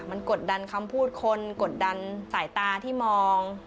มันกดดันคำพูดคนกดดันสายตาที่มอง